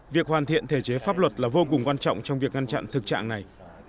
việc hoàn thiện thể chế pháp luật là vô cùng quan trọng trong việc ngăn chặn thực trạng này